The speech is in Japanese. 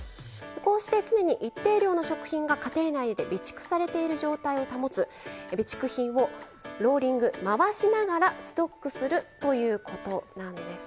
こうして常に一定量の食品が家庭内で備蓄されている状態を保つ備蓄品をローリング回しながらストックするということなんです。